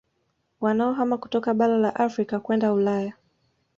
Wanaohama kutoka Bara la Afrika kwenda Ulaya